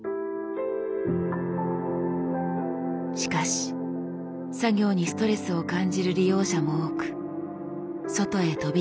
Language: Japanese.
しかし作業にストレスを感じる利用者も多く外へ飛び出す人も。